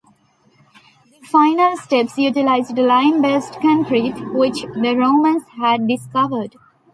The final steps utilized lime-based concrete, which the Romans had discovered.